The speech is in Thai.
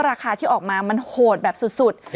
ราคาที่ออกมามันโหดแบบสุด